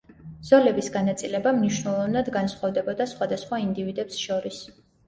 ზოლების განაწილება მნიშვნელოვნად განსხვავდებოდა სხვადასხვა ინდივიდებს შორის.